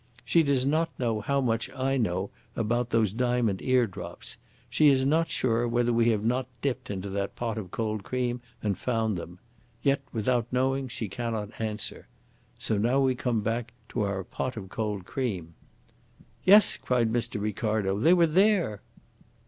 She does not know how much I know about those diamond eardrops. She is not sure whether we have not dipped into that pot of cold cream and found them. Yet without knowing she cannot answer. So now we come back to our pot of cold cream." "Yes!" cried Mr. Ricardo. "They were there."